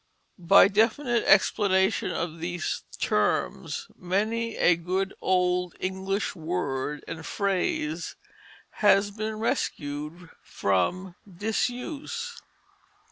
By definite explanation of these terms many a good old English word and phrase has been rescued from disuse.